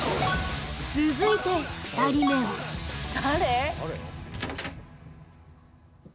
続いて２人目は誰？